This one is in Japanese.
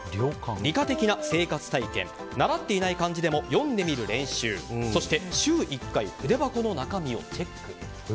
理科的な生活体験習っていない漢字でも読んでみる練習そして週１回筆箱の中身をチェック。